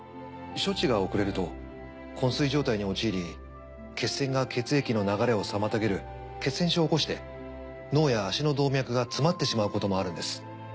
処置が遅れると昏睡状態に陥り血栓が血液の流れを妨げる血栓症を起こして脳や足の動脈が詰まってしまうこともあるんです。